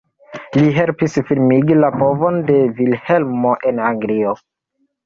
Li helpis firmigi la povon de Vilhelmo en Anglio.